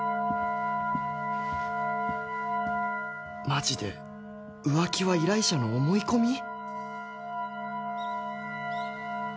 マジで浮気は依頼者の思い込み！？